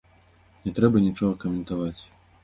Не трэба нічога каментаваць.